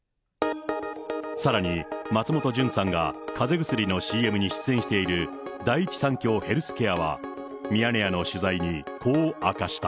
さらに松本潤さんがかぜ薬のＣＭに出演している第一三共ヘルスケアは、ミヤネ屋の取材に、こう明かした。